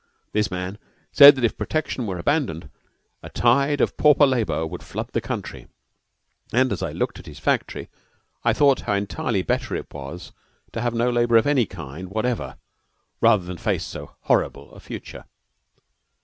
This man said that if protection were abandoned, a tide of pauper labor would flood the country, and as I looked at his factory I thought how entirely better it was to have no labor of any kind whatever rather than face so horrible a future.